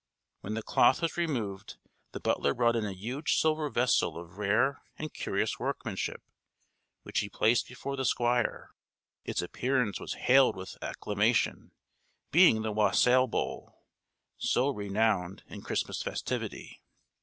When the cloth was removed, the butler brought in a huge silver vessel of rare and curious workmanship, which he placed before the Squire. Its appearance was hailed with acclamation; being the Wassail Bowl, so renowned in Christmas festivity.